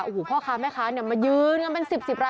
โอ้โหพ่อค้าแม่ค้าเนี่ยมายืนกันเป็น๑๐ราย